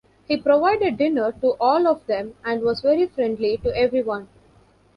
He provided dinner to all of them and was very friendly to everyone.